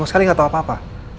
kamu sekali gak tau apa apa